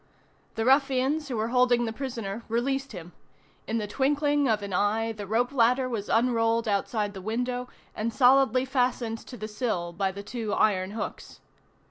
The ruffians who were holding the prisoner released him; in the twinkling of an eye the rope ladder was unrolled outside the window, and solidly fastened to the sill by the two iron hooks.